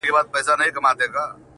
• پاچهۍ لره تر لاس تر سترگه تېر وه,